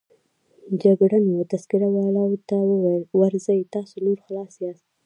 جګړن وه تذکره والاو ته وویل: ورځئ، تاسو نور خلاص یاست.